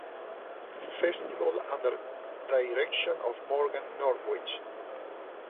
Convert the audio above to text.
Festival under the direction of Morgan Norwich.